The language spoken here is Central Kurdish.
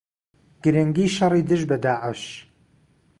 گرنگی شەڕی دژ بە داعش